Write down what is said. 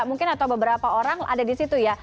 mungkin atau beberapa orang ada di situ ya